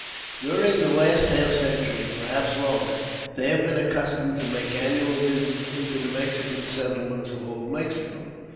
During the last half century, and perhaps longer, they have been accustomed to make annual visits into the Mexican settlements of Old Mexico.